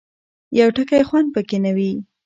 یو ټکی خوند پکې نه وي.